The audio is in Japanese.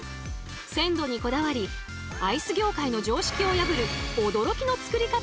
鮮度にこだわりアイス業界の常識を破る驚きの作り方をしているんだとか！